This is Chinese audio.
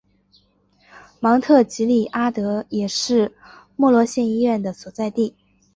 芒特吉利阿德也是莫罗县医院的所在地。